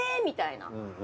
みたいな。